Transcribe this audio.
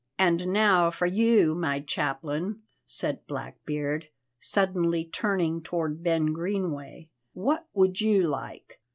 "And now for you, my chaplain," said Blackbeard, suddenly turning toward Ben Greenway, "what would you like?